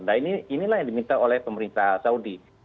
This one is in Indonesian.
nah inilah yang diminta oleh pemerintah saudi